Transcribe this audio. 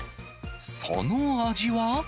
その味は。